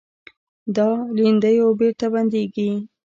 دا لیندیو بېرته بندېږي.